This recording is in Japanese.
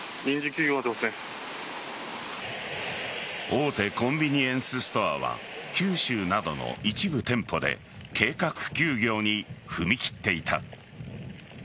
大手コンビニエンスストアは九州などの一部店舗で計画休業に踏み切っていた。